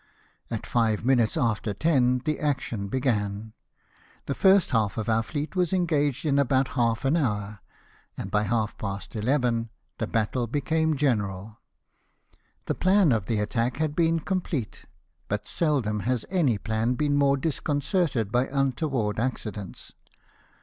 At five minutes after ten the action began. The first half of our fleet was engaged in about half an hour, and by half past eleven the battle became BATTLE OF COPENHAGEN. 231 general The plan of the attack had been complete, but seldom has any plan been more disconcerted by untoward accidents.